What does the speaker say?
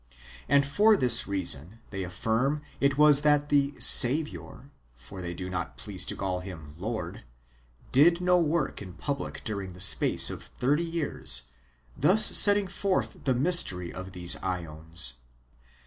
And for this rea son they affirm it was that the " Saviour" — for they do not please to call Him " Lord "— did no work in public during the space of thirty years,^ thus setting forth the mystery of these ^ons.